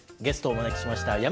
ゲストをお招きしました。